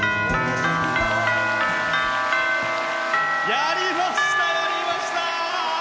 やりました、やりました！